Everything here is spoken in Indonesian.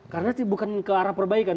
karena bukan ke arah perbaikan